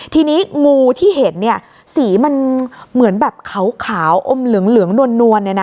ทีนี้งูที่เห็นเนี่ยสีมันเหมือนแบบขาวอมเหลืองนวลเนี่ยนะ